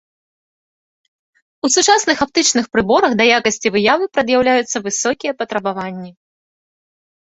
У сучасных аптычных прыборах да якасці выявы прад'яўляюцца высокія патрабаванні.